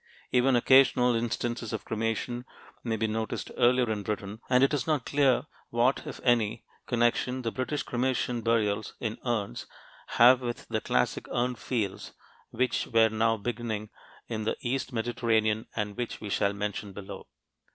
Even occasional instances of cremation may be noticed earlier in Britain, and it is not clear what, if any, connection the British cremation burials in urns have with the classic Urnfields which were now beginning in the east Mediterranean and which we shall mention below.